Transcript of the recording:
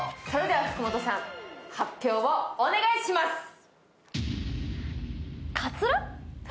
それでは福本さん、発表をお願いします。